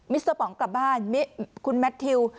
มิสเตอร์ปองกลับบ้านคุณแมททิว